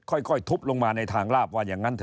ค่อยทุบลงมาในทางลาบว่าอย่างนั้นเถ